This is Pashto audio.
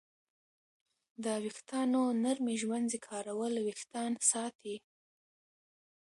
د ویښتانو نرمې ږمنځې کارول وېښتان ساتي.